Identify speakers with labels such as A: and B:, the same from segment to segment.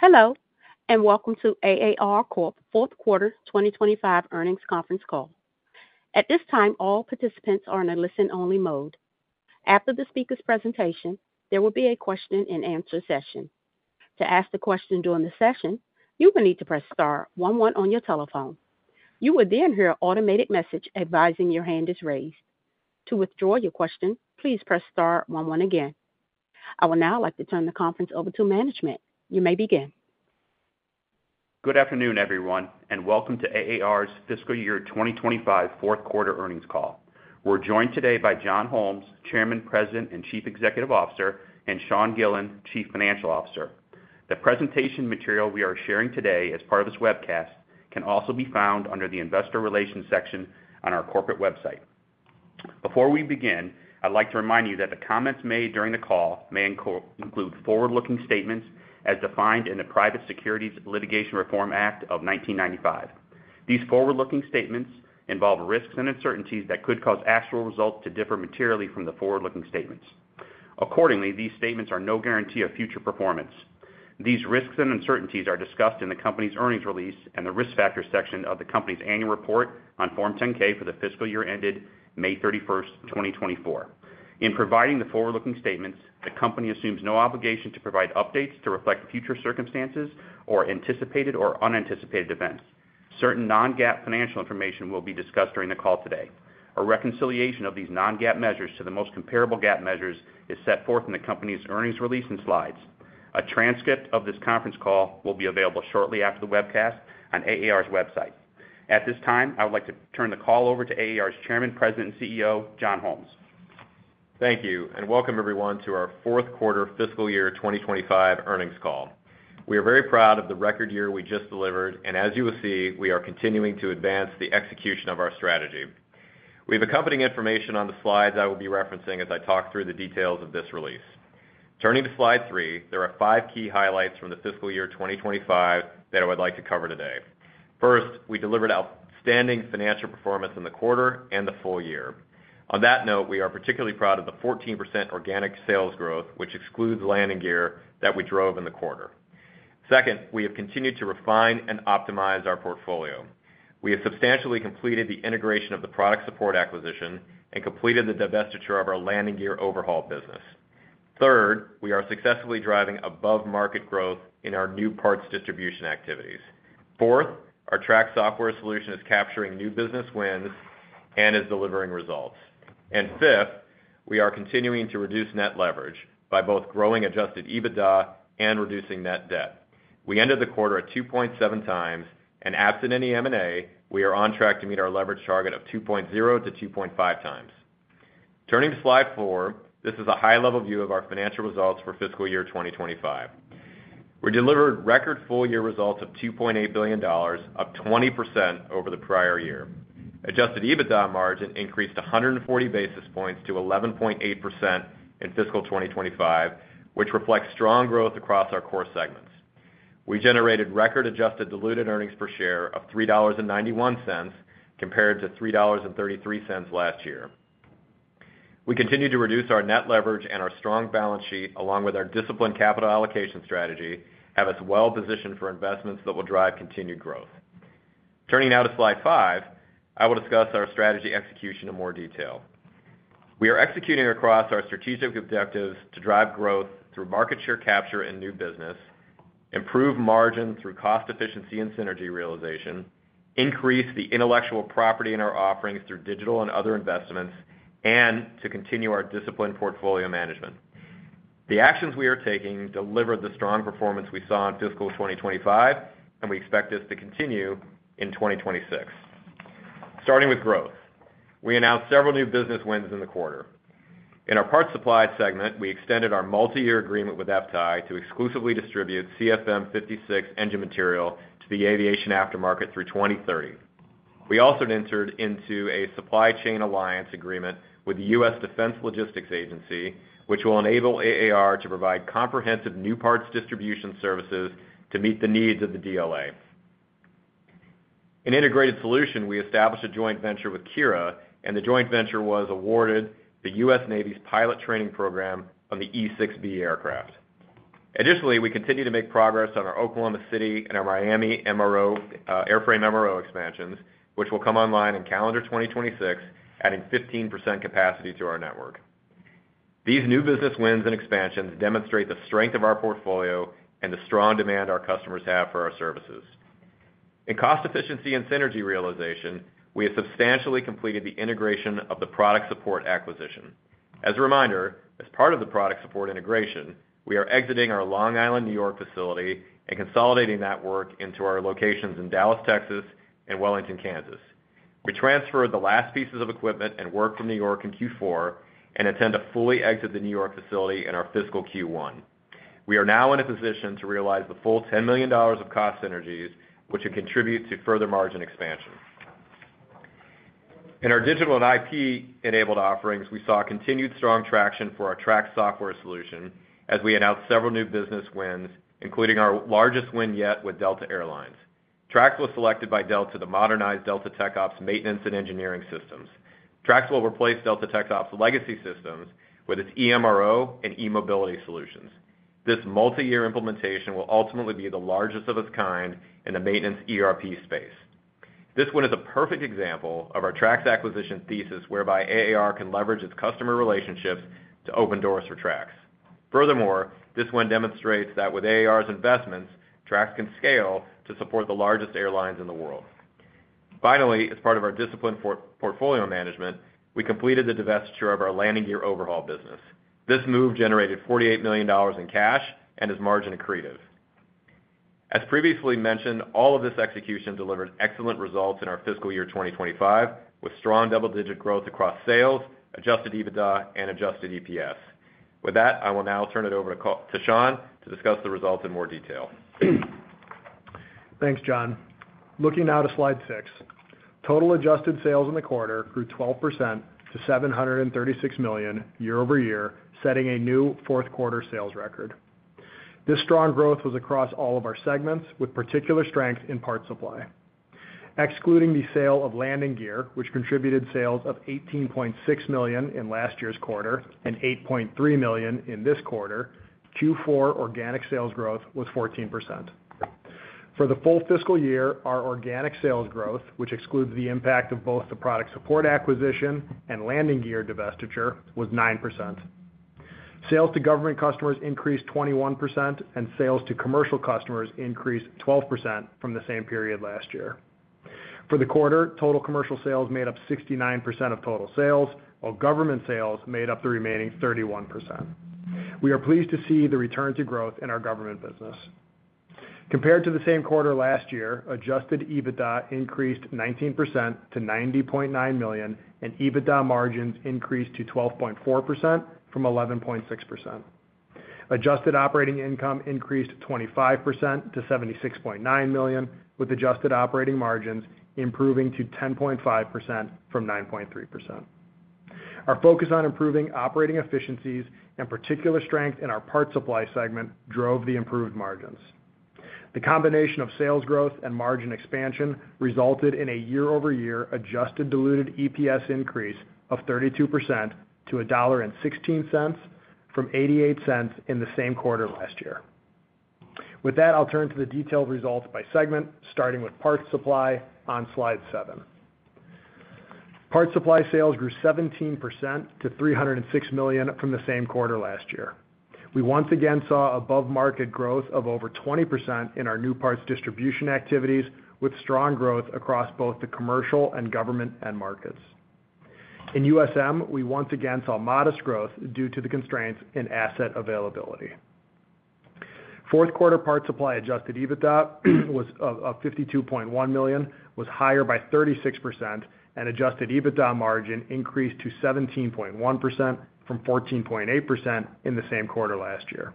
A: Hello and welcome to AAR Corp. fourth quarter 2025 earnings conference call. At this time, all participants are in a listen-only mode. After the speakers' presentation, there will be a question and answer session. To ask a question during the session, you will need to press star one one on your telephone. You will then hear an automated message advising your hand is raised. To withdraw your question, please press star one one again. I would now like to turn the conference over to management. You may begin.
B: Good afternoon everyone and welcome to AAR's. Fiscal year 2025 fourth quarter earnings call. We're joined today by John Holmes, Chairman. President and Chief Executive Officer, and Sean Gillen, Chief Financial Officer. The presentation material we are sharing today as part of this webcast can also. Be found under the Investor Relations section on our corporate website. Before we begin, I'd like to remind. You that the comments made during the call may include forward-looking statements as defined in the Private Securities Litigation Reform Act of 1995. These forward-looking statements involve risks and uncertainties that could cause actual results to differ materially from the forward-looking statements. Accordingly, these statements are no guarantee of future performance. These risks and uncertainties are discussed in the company's earnings release and the Risk Factors section of the company's Annual Report on Form 10-K for the fiscal year ended May 31, 2024. In providing the forward-looking statements, the company assumes no obligation to provide updates. To reflect future circumstances or anticipated or unanticipated events. Certain non-GAAP financial information will be discussed during the call today. A reconciliation of these non-GAAP measures. To the most comparable GAAP measures is. Set forth in the company's earnings release and slides. A transcript of this conference call will. Be available shortly after the webcast and on AAR's website. At this time, I would like to. Turn the call over to AAR's Chairman. President and CEO John Holmes.
C: Thank you and welcome everyone to our fourth quarter fiscal year 2025 earnings call. We are very proud of the record year we just delivered, and as you will see, we are continuing to advance the execution of our strategy. We have accompanying information on the slides I will be referencing as I talk through the details of this release. Turning to slide three, there are five key highlights from the fiscal year 2025 that I would like to cover today. First, we delivered outstanding financial performance in the quarter and the full year. On that note, we are particularly proud of the 14% organic sales growth, which excludes landing gear, that we drove in the quarter. Second, we have continued to refine and optimize our portfolio. We have substantially completed the integration of the Product Support acquisition and completed the divestiture of our landing gear overhaul business. Third, we are successfully driving above market growth in our new parts distribution activities. Fourth, our Trax software solution is capturing new business wins and is delivering results, and fifth, we are continuing to reduce net leverage by both growing adjusted EBITDA and reducing net debt. We ended the quarter at 2.7x, and absent any M&A, we are on track to meet our leverage target of 2.0 to 2.5x. Turning to slide four, this is a high-level view of our financial results for fiscal year 2025. We delivered record full year results of $2.8 billion, up 20% over the prior year. Adjusted EBITDA margin increased 140 basis points to 11.8% in fiscal 2025, which reflects strong growth across our core segments, we generated record adjusted diluted earnings per share of $3.91 compared to $3.33 last year. We continue to reduce our net leverage, and our strong balance sheet along with our disciplined capital allocation strategy have us well positioned for investments that will drive continued growth. Turning now to slide five, I will discuss our strategy execution in more detail. We are executing across our strategic objectives to drive growth through market share capture and new business, improve margin through cost efficiency and synergy realization, increase the intellectual property in our offerings through digital and other investments, and to continue our disciplined portfolio management. The actions we are taking delivered the strong performance we saw in fiscal 2025, and we expect this to continue in 2026. Starting with growth, we announced several new business wins in the quarter in our parts supplied segment. We extended our multi-year agreement with FTAI to exclusively distribute CFM56 engine material to the aviation aftermarket through 2030. We also entered into a supply chain alliance agreement with the U.S. Defense Logistics Agency, which will enable AAR to provide comprehensive new parts distribution services to meet the needs of the DLA. In integrated solution, we established a joint venture with KIRA, and the joint venture was awarded the U.S. Navy's pilot training program on the E-6B aircraft. Additionally, we continue to make progress on our Oklahoma City and our Miami MRO airframe MRO expansions, which will come online in calendar 2026, adding 15% capacity to our network. These new business wins and expansions demonstrate the strength of our portfolio and the strong demand our customers have for our services. In cost efficiency and synergy realization, we have substantially completed the integration of the Product Support acquisition. As a reminder, as part of the Product Support integration, we are exiting our Long Island, New York facility and consolidating that work into our locations in Dallas, Texas and Wellington, Kansas. We transferred the last pieces of equipment and work from New York in Q4 and intend to fully exit the New York facility in our fiscal Q1. We are now in a position to realize the full $10 million of cost synergies, which will contribute to further margin expansion. In our digital and IP-enabled offerings, we saw continued strong traction for our Trax software solution as we announced several new business wins, including our largest win yet with Delta Air Lines. Trax was selected by Delta to modernize Delta TechOps maintenance and engineering systems. Trax will replace Delta TechOps legacy systems with its eMRO and eMobility solutions. This multi-year implementation will ultimately be the largest of its kind in the maintenance ERP space. This one is a perfect example of our Trax acquisition thesis, whereby AAR can leverage its customer relationships to open doors for Trax. Furthermore, this win demonstrates that with AAR's investments, Trax can scale to support the largest airlines in the world. Finally, as part of our disciplined portfolio management, we completed the divestiture of our landing gear overhaul business. This move generated $48 million in cash and is margin accretive. As previously mentioned, all of this execution delivered excellent results in our fiscal year 2025 with strong double-digit growth across sales, adjusted EBITDA, and adjusted EPS. With that, I will now turn it over to Sean to discuss the results in more detail.
D: Thanks John. Looking now to slide six, total adjusted sales in the quarter grew 12% to $736 million year-over-year, setting a new fourth quarter sales record. This strong growth was across all of our segments, with particular strength in parts supply, excluding the sale of landing gear, which contributed sales of $18.6 million in last year's quarter and $8.3 million in this quarter. Q4 organic sales growth was 14%. For the full fiscal year, our organic sales growth, which excludes the impact of both the Product Support acquisition and landing gear divestiture, was 9%. Sales to government customers increased 21%, and sales to commercial customers increased 12% from the same period last year. For the quarter, total commercial sales made up 69% of total sales, while government sales made up the remaining 31%. We are pleased to see the return to growth in our government business compared to the same quarter last year. Adjusted EBITDA increased 19% to $90.9 million, and EBITDA margins increased to 12.4% from 11.6%. Adjusted operating income increased 25% to $76.9 million, with adjusted operating margins improving to 10.5% from 9.3%. Our focus on improving operating efficiencies and particular strength in our parts supply segment drove the improved margins. The combination of sales growth and margin expansion resulted in a year-over-year adjusted diluted EPS increase of 32% to $1.16 from $0.88 in the same quarter last year. With that, I'll turn to the detailed results by segment, starting with parts supply on slide seven. Parts supply sales grew 17% to $306 million from the same quarter last year. We once again saw above market growth of over 20% in our new parts distribution activities, with strong growth across both the commercial and government end markets. In USM, we once again saw modest growth due to the constraints in asset availability. Fourth quarter parts supply adjusted EBITDA of $52.1 million was higher by 36%, and adjusted EBITDA margin increased to 17.1% from 14.8% in the same quarter last year.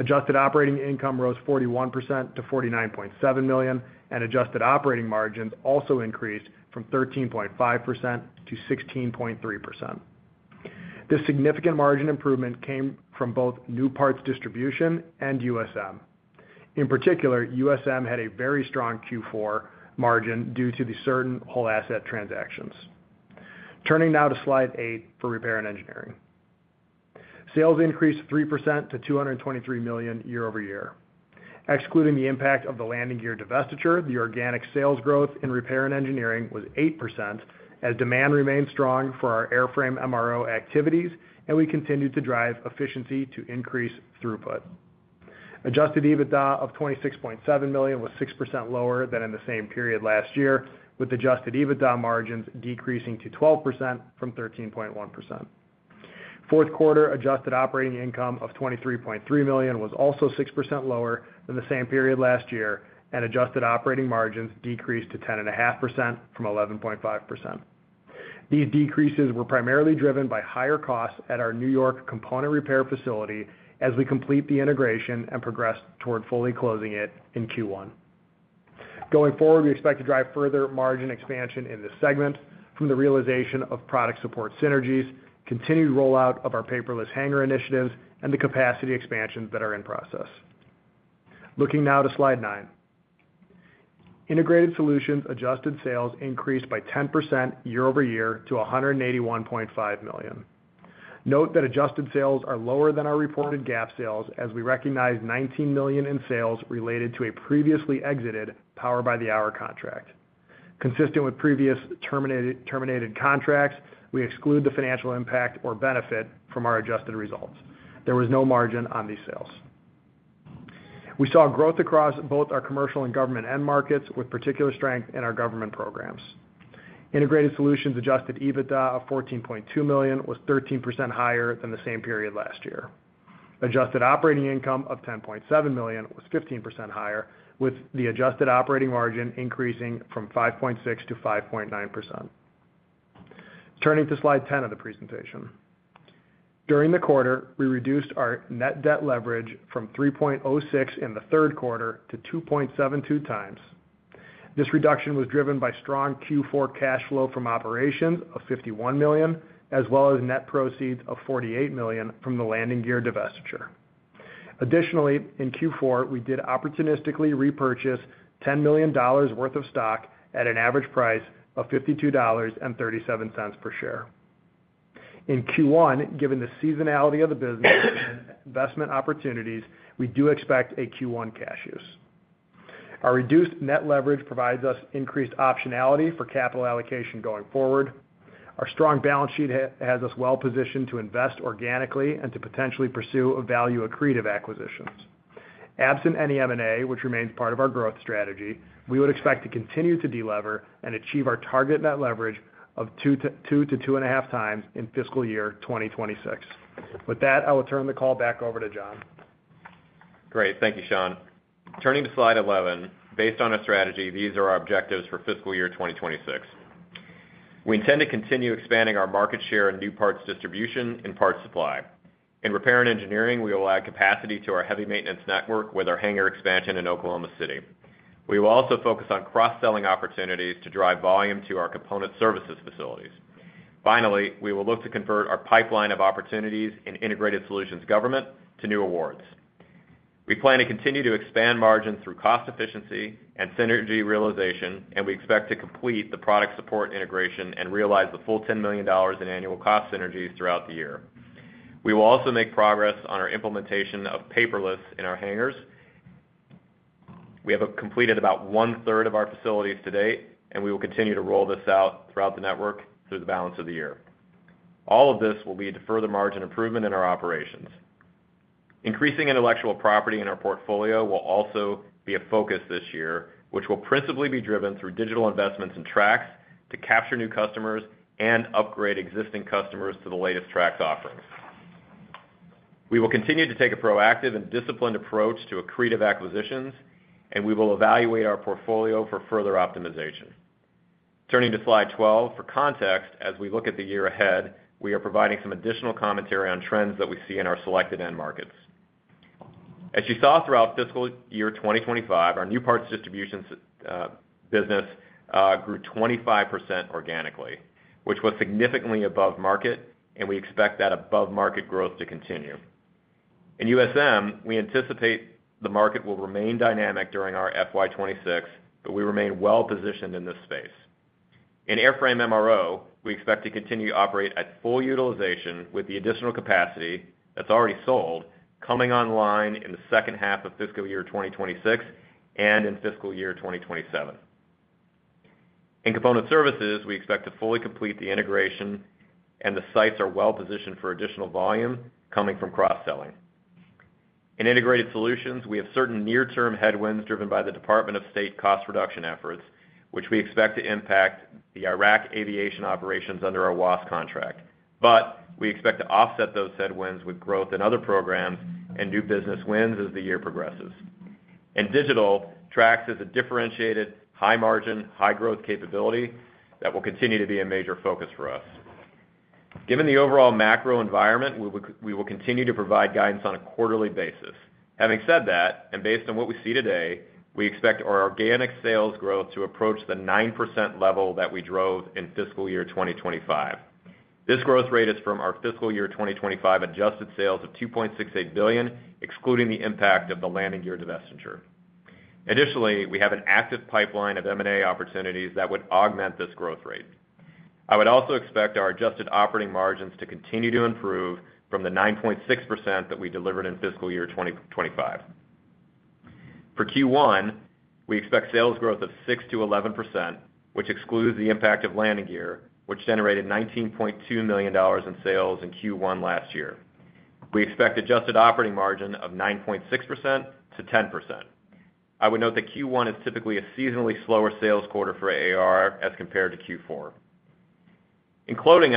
D: Adjusted operating income rose 41% to $49.7 million, and adjusted operating margins also increased from 13.5% to 16.3%. This significant margin improvement came from both new parts distribution and USM. In particular, USM had a very strong Q4 margin due to certain whole asset transactions. Turning now to slide eight, for repair and engineering, sales increased 3% to $223 million year-over-year. Excluding the impact of the landing gear divestiture, the organic sales growth in repair and engineering was 8%. As demand remains strong for our airframe MRO activities and we continue to drive efficiency to increase throughput, adjusted EBITDA of $26.7 million was 6% lower than in the same period last year with adjusted EBITDA margins decreasing to 12% from 13.1%. Fourth quarter adjusted operating income of $23.3 million was also 6% lower than the same period last year and adjusted operating margins decreased to 10.5% from 11.5%. These decreases were primarily driven by higher costs at our New York component repair facility. As we complete the integration and progress toward fully closing it in Q1, going forward, we expect to drive further margin expansion in this segment from the realization of Product Support synergies, continued rollout of our paperless hangar initiatives, and the capacity expansions that are in process. Looking now to slide nine, Integrated Solutions. Adjusted sales increased by 10% year-over-year to $181.5 million. Note that adjusted sales are lower than our reported GAAP sales as we recognize $19 million in sales related to a previously exited power by the hour contract. Consistent with previous terminated contracts, we exclude the financial impact or benefit from our adjusted results. There was no margin on these sales. We saw growth across both our commercial and government end markets with particular strength in our government programs. Integrated Solutions adjusted EBITDA of $14.2 million was 13% higher than the same period last year. Adjusted operating income of $10.7 million was 15% higher with the adjusted operating margin increasing from 5.6% to 5.9%. Turning to slide 10 of the presentation, during the quarter, we reduced our net debt leverage from 3.06x in the third quarter to 2.72x. This reduction was driven by strong Q4 cash flow from operations of $51 million as well as net proceeds of $48 million from the landing gear divestiture. Additionally, in Q4 we did opportunistically repurchase $10 million worth of stock at an average price of $52.37 per share. In Q1, given the seasonality of the business investment opportunities, we do expect a Q1 cash use. Our reduced net leverage provides us increased optionality for capital allocation going forward. Our strong balance sheet has us well positioned to invest organically and to potentially pursue value- accretive acquisitions. Absent any M&A, which remains part of our growth strategy, we would expect to continue to delever and achieve our target net leverage of 2 to 2.5x in fiscal year 2026. With that, I will turn the call back over to John.
C: Great. Thank you, Sean. Turning to slide 11, based on our strategy, these are our objectives for fiscal year 2026. We intend to continue expanding our market share in new parts distribution and parts supply in repair and engineering. We will add capacity to our heavy maintenance network with our hangar expansion in Oklahoma City. We will also focus on cross-selling opportunities to drive volume to our component services facilities. Finally, we will look to convert our pipeline of opportunities in integrated solutions government to new awards. We plan to continue to expand margin through cost-efficiency and synergy realization, and we expect to complete the Product Support integration and realize the full $10 million in annual cost synergies throughout the year. We will also make progress on our implementation of paperless in our hangars. We have completed about one third of our facilities to date, and we will continue to roll this out throughout the network through the balance of the year. All of this will lead to further margin improvement in our operations. Increasing intellectual property in our portfolio will also be a focus this year, which will principally be driven through digital investments in Trax to capture new customers and upgrade existing customers to the latest Trax offerings. We will continue to take a proactive and disciplined approach to accretive acquisitions, and we will evaluate our portfolio for further optimization. Turning to slide 12, for context as we look at the year ahead, we are providing some additional commentary on trends that we see in our selected end markets. As you saw, throughout fiscal year 2025, our new parts distribution business grew 25% organically, which was significantly above market, and we expect that above market growth to continue in USM. We anticipate the market will remain dynamic during our FY26, but we remain well positioned in this space. In airframe MRO, we expect to continue to operate at full utilization with the additional capacity that's already sold coming online in the second half of fiscal year 2026 and in fiscal year 2027. In component services, we expect to fully complete the integration, and the sites are well positioned for additional volume coming from cross-selling in integrated solutions. We have certain near term headwinds driven by the Department of State cost reduction efforts, which we expect to impact the Iraq aviation operations under our WASS contract, but we expect to offset those headwinds with growth in other programs and new business wins as the year progresses. Digital Trax is a differentiated high margin, high growth capability that will continue to be a major focus for us. Given the overall macro environment, we will continue to provide guidance on a quarterly basis. Having said that, and based on what we see today, we expect our organic sales growth to approach the 9% level that we drove in fiscal year 2025. This growth rate is from our fiscal year 2025 adjusted sales of $2.68 billion, excluding the impact of the landing gear divestiture. Additionally, we have an active pipeline of M&A opportunities that would augment this growth rate. I would also expect our adjusted operating margins to continue to improve from the 9.6% that we delivered in fiscal year 2025. For Q1, we expect sales growth of 6% to 11%, which excludes the impact of landing gear, which generated $19.2 million in sales in Q1 last year. We expect adjusted operating margin of 9.6% to 10%. I would note that Q1 is typically a seasonally slower sales quarter for AAR as compared to Q4. In closing,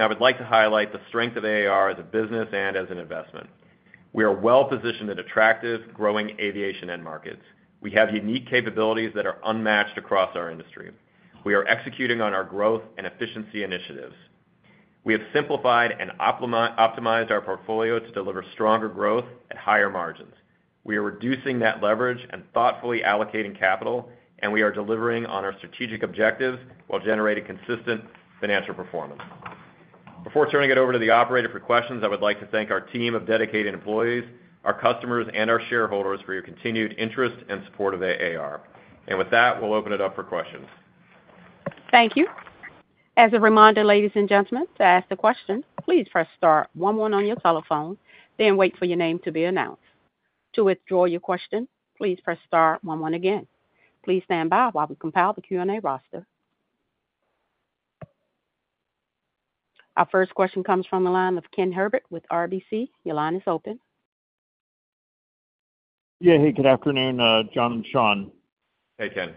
C: I would like to highlight the strength of AAR as a business and as an investment. We are well positioned in attractive, growing aviation end markets. We have unique capabilities that are unmatched across our industry. We are executing on our growth and efficiency initiatives. We have simplified and optimized our portfolio to deliver stronger growth at higher margins. We are reducing net leverage and thoughtfully allocating capital. We are delivering on our strategic objectives while generating consistent financial performance. Before turning it over to the operator for questions, I would like to thank our team of dedicated employees, our customers, and our shareholders for your continued interest and support of AAR. With that, we'll open it up for questions.
A: Thank you. As a reminder, ladies and gentlemen, to ask a question, please press star one one on your telephone, then wait for your name to be announced. To withdraw your question, please press star one one again. Please stand by while we compile the Q&A roster. Our first question comes from the line of Ken Herbert with RBC. Your line is open.
E: Yeah. Hey, good afternoon, John and Sean.
C: Hey, Ken.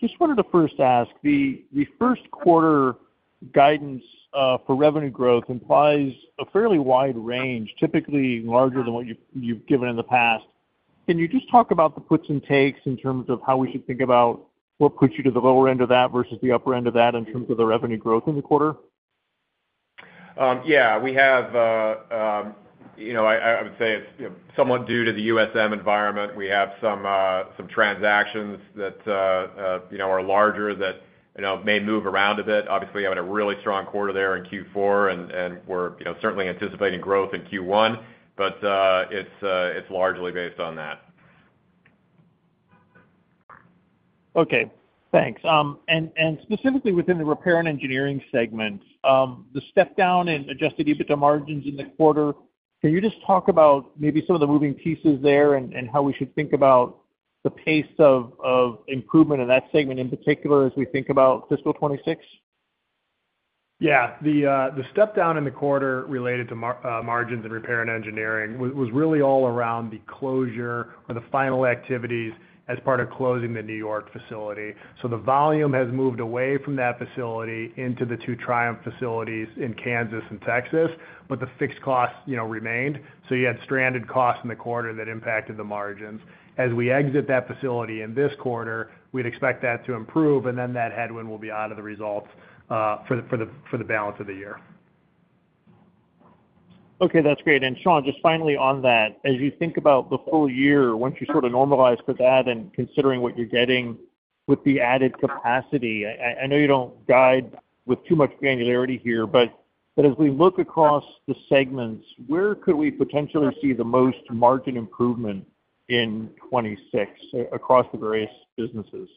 E: Just wanted to first ask. The first quarter guidance for revenue growth implies a fairly wide range, typically larger than what you've given in the past. Can you just talk about the puts and takes in terms of how we should think about what puts you to the lower end of that versus the upper end of that in terms of the revenue growth in the quarter?
C: Yeah, we have. I would say it's somewhat due to the USM environment. We have some transactions that are larger that may move around a bit. Obviously, having a really strong quarter there in Q4, and we're certainly anticipating growth in Q1, but it's largely based on that.
E: Okay, thanks. Specifically within the repair and engineering segment, the step down in adjusted EBITDA margins in the quarter, can you just talk about maybe some of the moving pieces there and how we should think about the pace of improvement in that segment in particular as we think about fiscal 2026?
D: Yeah, the step down in the quarter related to margins in repair and engineering was really all around the closure or the final activities as part of closing the New York facility. The volume has moved away from that facility into the two Triumph facilities in Kansas and Texas, but the fixed costs remained. You had stranded costs in the quarter that impacted the margins. As we exit that facility in this quarter, we'd expect that to improve and that headwind will be out of the results for the balance of the year.
E: Okay, that's great. Sean, just finally on that, as you think about the full year, once you sort of normalize for that, and considering what you're getting with the added capacity, I know you don't guide with too much granularity here, but as we look across the segments, where could we potentially see the most margin improvement in 2026 across the various businesses?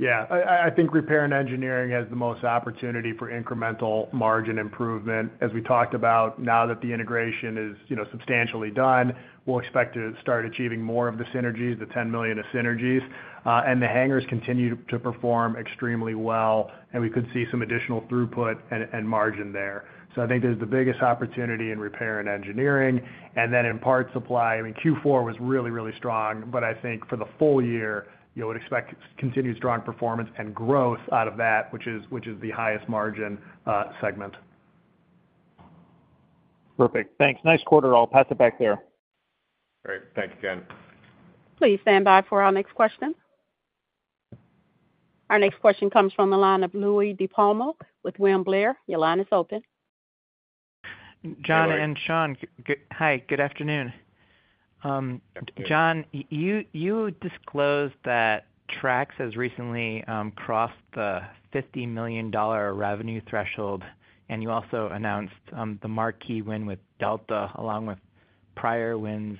D: Yeah, I think repair and engineering has the most opportunity for incremental margin improvement. As we talked about, now that the integration is substantially done, we'll expect to start achieving more of the synergies. The $10 million of synergies and the hangars continue to perform extremely well and we could see some additional throughput and margin there. I think there's the biggest opportunity in repair and engineering and then in part supply. Q4 was really, really strong, but I think for the full year you would expect continued strong performance and growth out of that, which is the highest margin segment.
E: Perfect, thanks. Nice quarter. I'll pass it back there.
D: Great, thanks again.
A: Please stand by for our next question. Our next question comes from the line of Louis DiPalma with William Blair. Your line is open.
F: John and Sean. Hi, good afternoon. John, you disclosed that Trax has recently crossed the $50 million revenue threshold. You also announced the marquee win with Delta along with prior wins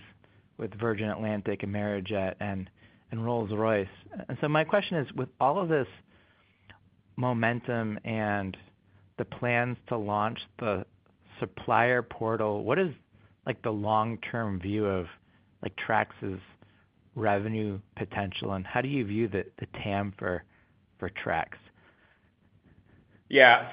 F: with Virgin Atlantic and Amerijet and Rolls-Royce. My question is, with all of this momentum and the plans to launch the supplier portal, what is the long term view of Trax's revenue potential and how do you view the TAM for Trax?
C: Yeah,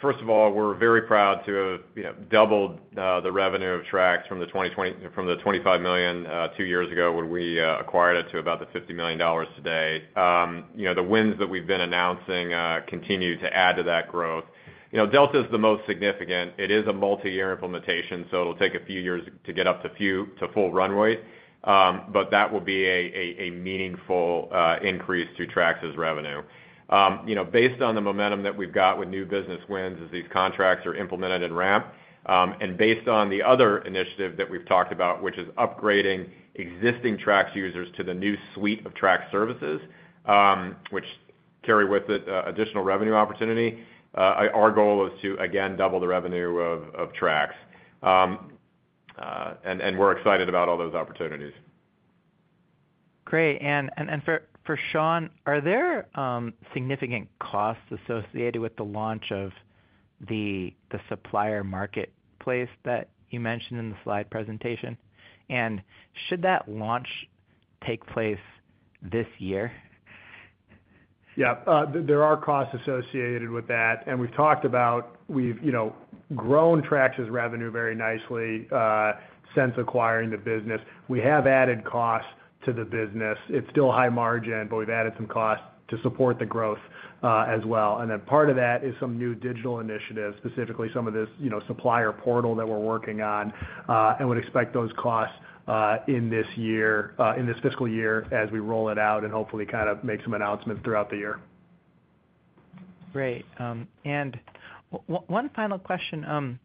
C: first of all, we're very proud to have doubled the revenue of Trax from 2020, from the $25 million two years ago when we acquired it, to about $50 million today. The wins that we've been announcing continue to add to that growth. Delta is the most significant. It is a multi-year implementation, so it'll take a few years to get up to full run rate, but that will be a meaningful increase to Trax's revenue. Based on the momentum that we've got with new business, as these contracts are implemented and ramp, and based on the other initiative that we've talked about, which is upgrading existing Trax users to the new suite of Trax services which carry with it additional revenue opportunity, our goal is to again double the revenue of Trax and we're excited about all those opportunities.
F: Great. For Sean, are there significant costs associated with the launch of the supplier marketplace that you mentioned in the slide presentation, and should that launch take place this year?
D: Yes, there are costs associated with that, and we've talked about, we've grown Trax's revenue very nicely since acquiring the business. We have added costs to the business. It's still high margin, but we've added some costs to support the growth as well. Part of that is some new digital initiatives, specifically some of this supplier portal that we're working on, and would expect those costs in this year, in this fiscal year as we roll it out and hopefully kind of make some announcements throughout the year.
F: Great. One final question.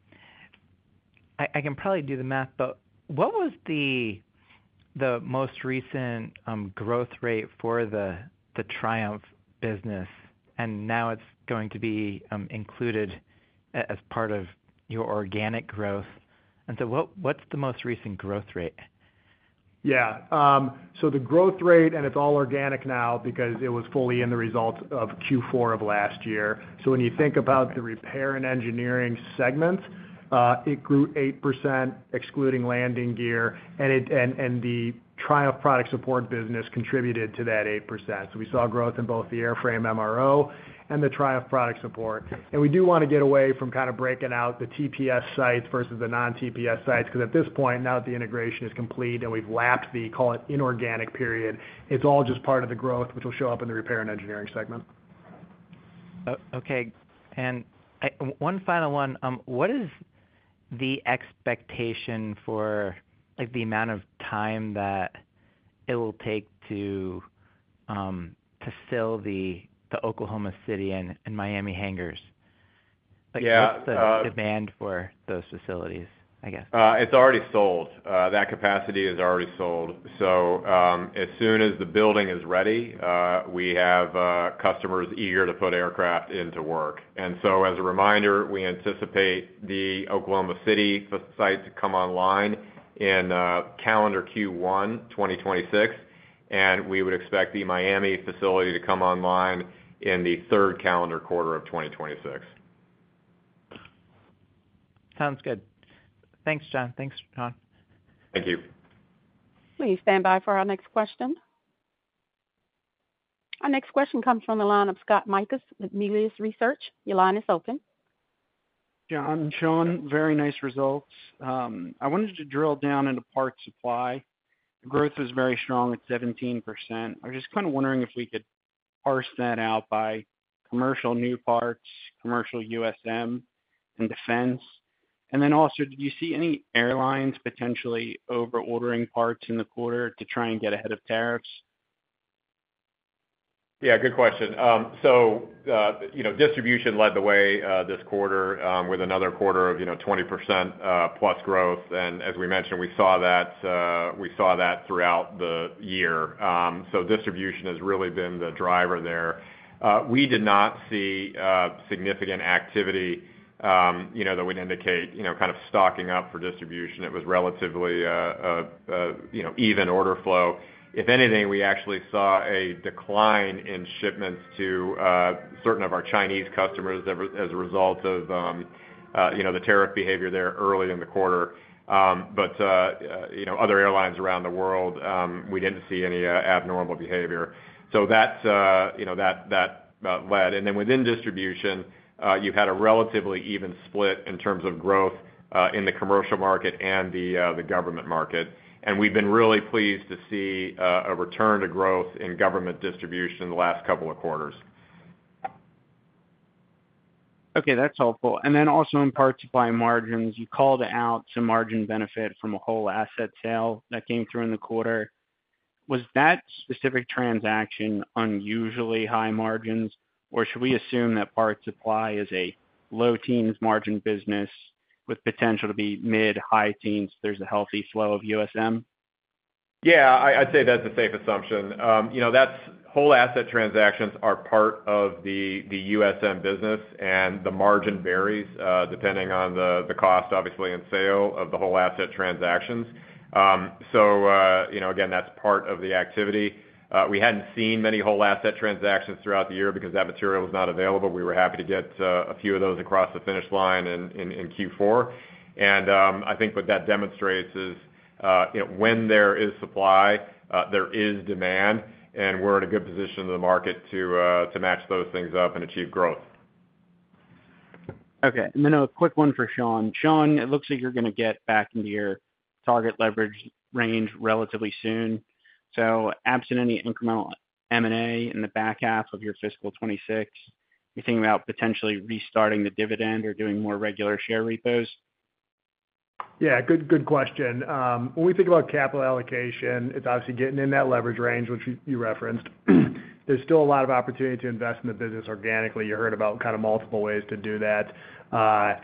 F: I can probably do the math, but what was the most recent growth rate for the Triumph business? Now it's going to be included as part of your organic growth. What's the most recent growth rate?
D: Yeah, so the growth rate, and it's all organic now because it was fully in the results of Q4 of last year. When you think about the repair and engineering segment, it grew 8%, excluding landing gear. The Triumph Product Support business contributed to that 8%. We saw growth in both the airframe MRO and the Triumph Product Support. We do want to get away from kind of breaking out the TPS sites versus the non-TPS sites because at this point, now that the integration is complete and we've lapped the, call it, inorganic period, it's all just part of the growth which will show up in the repair and engineering segment.
F: Okay, one final one. What is the expectation for the amount of time that it will take to fill the Oklahoma City and Miami hangars? What's the demand for those facilities?
C: That capacity is already sold. As soon as the building is ready, we have customers eager to put aircraft into work. As a reminder, we anticipate the Oklahoma City site to come online in calendar Q1 2026, and we would expect the Miami facility to come online in the third calendar quarter of 2026.
F: Sounds good. Thanks, John. Thanks, John.
C: Thank you.
A: Please stand by for our next question. Our next question comes from the line of Scott Mikus with Melius Research. Your line is open, John.
G: John. Sean. Very nice results. I wanted to drill down into parts supply. Growth was very strong at 17%. I was just kind of wondering if we could parse that out by commercial new parts, commercial USM, and defense. Also, did you see any airlines potentially over ordering parts in the quarter to try and get ahead of tariffs?
C: Good question. Distribution led the way this quarter with another quarter of 20% plus growth. As we mentioned, we saw that throughout the year. Distribution has really been the driver there. We did not see significant activity that would indicate kind of stocking up for distribution. It was relatively even order flow. If anything, we actually saw a decline in shipments to certain of our Chinese customers as a result of the tariff behavior there early in the quarter. Other airlines around the world, we didn't see any abnormal behavior. Led. Within distribution, you had a relatively even split in terms of growth in the commercial market and the government market. We've been really pleased to see a return to growth in government distribution in the last couple of quarters.
G: Okay, that's helpful. Also, in parts of margins, you called out some margin benefit from a whole asset sale that came through in the quarter. Was that specific transaction unusually high margins, or should we assume that part supply is a low teens margin business with potential to be mid-high teens? There's a healthy flow of USM.
C: Yeah, I'd say that's a safe assumption. You know, whole asset transactions are part of the USM business, and the margin varies depending on the cost, obviously. Of the whole asset transactions, that's part of the activity. We hadn't seen many whole asset transactions throughout the year because that material was not available. We were happy to get a few of those across the finish line in Q4. I think what that demonstrates is when there is supply, there is demand, and we're in a good position in the market to match those things up and achieve growth.
G: Okay, and then a quick one for Sean. Sean, it looks like you're going to get back into your target leverage range relatively soon. Absent any incremental M&A in the back half of your fiscal 2026, you're thinking about potentially restarting the dividend or doing more regular share repos.
D: Yeah, good question. When we think about capital allocation, it's obviously getting in that leverage range which you referenced. There's still a lot of opportunity to invest in the business organically. You heard about kind of multiple ways to do that. The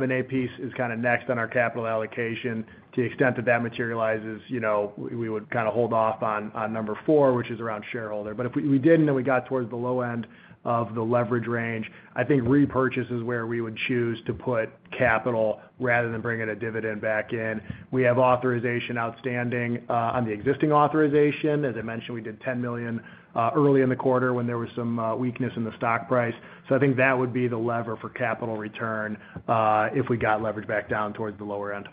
D: M&A piece is kind of next on our capital allocation. To the extent that that materializes, we would kind of hold off on number four, which is around shareholder. If we did and then we got towards the low end of the leverage range, I think repurchase is where we would choose to put capital rather than bringing a dividend back in. We have authorization outstanding on the existing authorization. As I mentioned, we did $10 million early in the quarter when there was some weakness in the stock price. I think that would be the lever for capital return if we got leverage back down towards the lower end.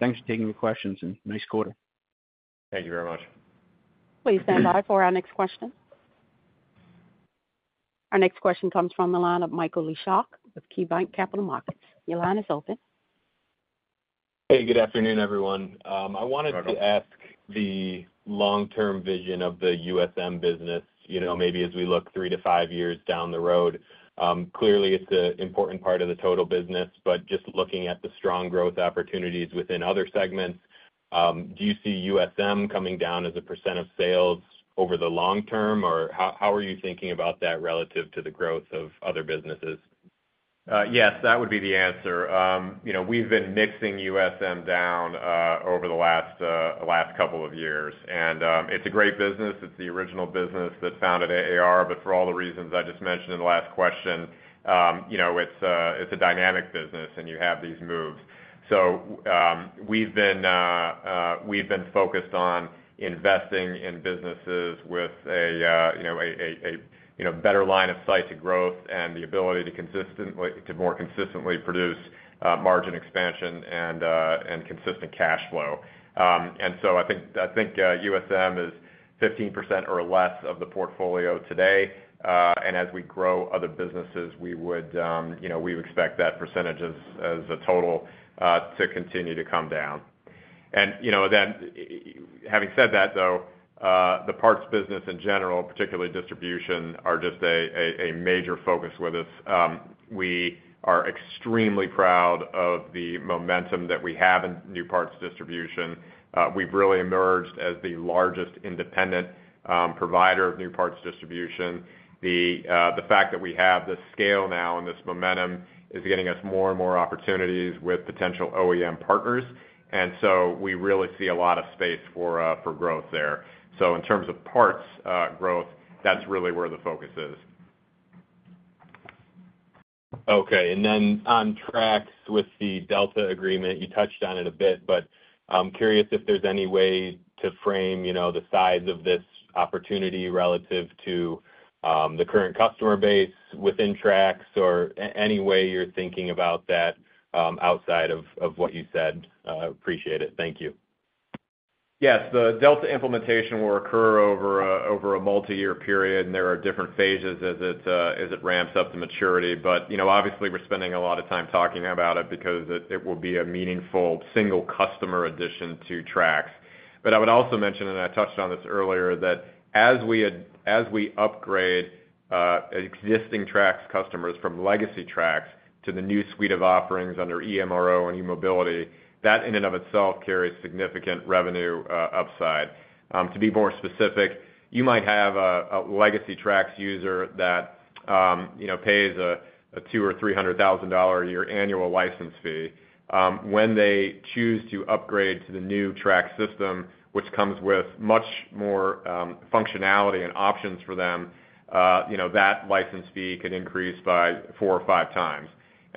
G: Thanks for taking your questions and nice quarter.
C: Thank you very much.
A: Please stand by for our next question. Our next question comes from the line of Michael Leshock with KeyBanc Capital Markets. Your line is open.
H: Hey, good afternoon everyone. I wanted to ask the long-term vision of the USM business. You know, maybe as we look three to five years down the road, clearly it's an important part of the total business. Just looking at the strong growth opportunities within other segments, do you see USM coming down as a percent of sales over the long term, or how are you thinking about that relative to the growth of other businesses?
C: Yes, that would be the answer. We've been mixing USM down over the last couple of years and it's a great business. It's the original business that founded AAR, but for all the reasons I just mentioned in the last question, it's a dynamic business and you have these moves. So. We've been focused on investing in businesses with a better line of sight to growth and the ability to more consistently produce margin expansion and consistent cash flow. I think USM is 15% or less of the portfolio today. As we grow other businesses, we would expect that percentage as a total to continue to come down. Having said that, though, the parts business in general, particularly distribution, are just a major focus with us. We are extremely proud of the momentum that we have in new parts distribution. We've really emerged as the largest independent provider of new parts distribution. The fact that we have this scale now and this momentum is getting us more and more opportunities with potential OEM partners, and we really see a lot of space for growth there. In terms of parts growth, that's really where the focus is.
H: Okay. On track with the Delta agreement, you touched on it a bit. I'm curious if there's any way to frame the size of this opportunity relative to the current customer base within Trax or any way you're thinking about that outside of what you said. Appreciate it. Thank you.
C: Yes, the Delta implementation will occur over a multi-year period and there are different phases as it ramps up to maturity. Obviously, we're spending a lot of time talking about it because it will be a meaningful single customer addition to Trax. I would also mention, and I touched on this earlier, that as we upgrade existing Trax customers from legacy Trax to the new suite of offerings under eMRO and eMobility, that in and of itself carries significant revenue upside. To be more specific, you might have a legacy Trax user that pays a $200,000 or $300,000 a year annual license fee. When they choose to upgrade to the new Trax system, which comes with much more functionality and options for them, that license fee could increase by four or five times.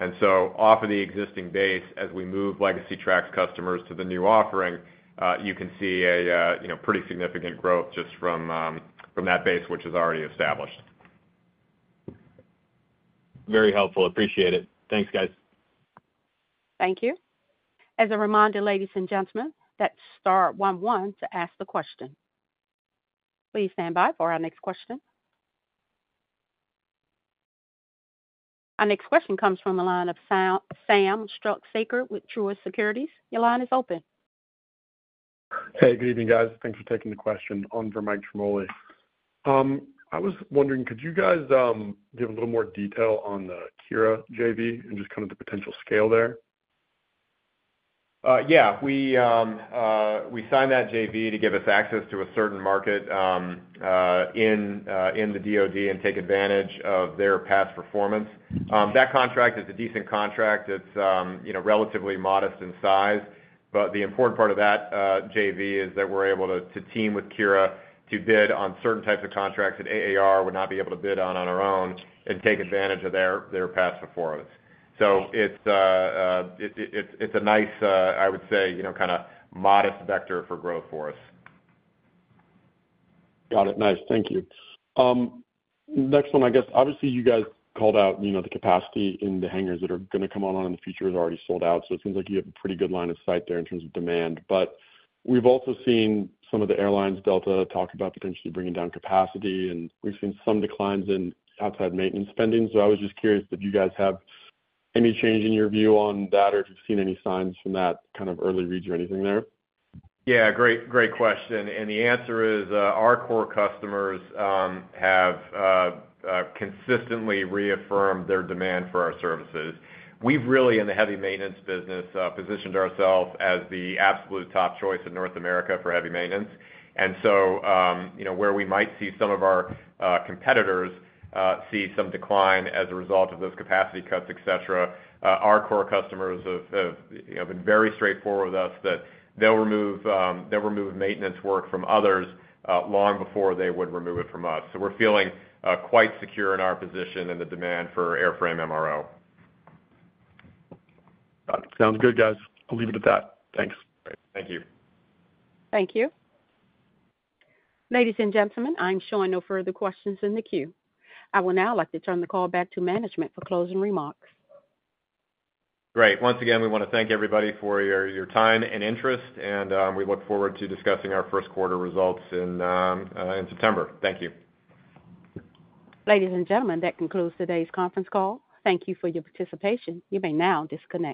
C: Off of the existing base, as we move legacy Trax customers to the new offering, you can see a pretty significant growth just from that base, which is already established.
H: Very helpful. Appreciate it. Thanks, guys.
A: Thank you. As a reminder, ladies and gentlemen, star 11 to ask the question. Please stand by for our next question. Our next question comes from the line of Sam Struhsaker with Truist Securities. Your line is open.
I: Hey, good evening, guys. Thanks for taking the question on for Mike Ciarmoli. I was wondering, could you guys give a little more detail on the KIRA JV and just kind of the potential scale there?
C: Yeah, we signed that JV to give us access to a certain market in the DOD and take advantage of their past performance. That contract is a decent contract. It's relatively modest in size. The important part of that joint venture is that we're able to team with KIRA to bid on certain types of contracts that AAR would not be able to bid on on our own and take advantage of their past performance for us. It's a nice, I would say kind of modest vector for growth for us.
I: Got it. Nice. Thank you. Next one, I guess obviously you guys called out. The capacity in the hangars that are. Going to come on in the future is already sold out. It seems like you have a. Pretty good line of sight there in terms of demand. We've also seen some of the. Airlines, Delta, talk about potentially bringing down capacity, and we've seen some declines in outside maintenance spending. I was just curious, did you guys have any change in your view? On that or if you've seen any. Signs from that kind of early reads or anything there?
C: Great question. The answer is our core customers have consistently reaffirmed their demand for our services. We've really, in the heavy maintenance business, positioned ourselves as the absolute top choice in North America for heavy maintenance. Where we might see some of our competitors see some decline as a result of those capacity cuts, etc., our core customers have been very straightforward with us that they'll remove maintenance work from others long before they would remove it from us. We're feeling quite secure in our position and the demand for airframe MRO.
I: Sounds good, guys. I'll leave it at that. Thanks.
C: Thank you.
A: Thank you, ladies and gentlemen. I'm showing no further questions in the queue. I would now like to turn the call back to management for closing remarks.
C: Great. Once again, we want to thank everybody for your time and interest. We look forward to discussing our first quarter results in September.
A: Thank you, ladies and gentlemen. That concludes today's conference call. Thank you for your participation. You may now disconnect.